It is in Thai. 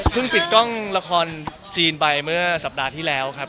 พึ่งปิดละครจีนไปเมื่อสัปดาห์ที่แล้วครับ